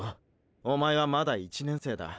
おまえはまだ１年生だ。